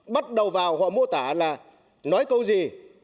bắt đầu vào họ mô tả là nói câu gì